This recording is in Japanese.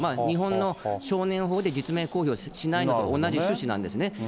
日本の少年法で実名公表しないのと同じ趣旨なんですね。